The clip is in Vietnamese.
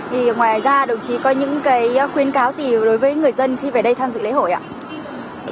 thì ngoài ra đồng chí có những khuyến cáo gì đối với người dân khi về đây tham dự lễ hội ạ